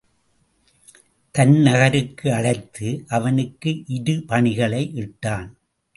தன் நகருக்கு அழைத்து அவனுக்கு இருபணிகளை இட்டான்.